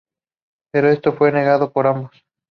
Pero esto fue negado por ambos.